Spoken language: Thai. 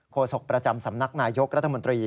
โศกประจำสำนักนายยกรัฐมนตรี